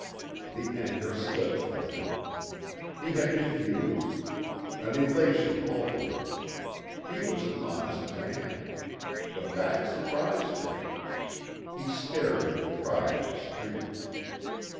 The anger slipped from him. He had refused. An elation halted him. He was an honest man! The fact surprised him. He stared with pride at the street.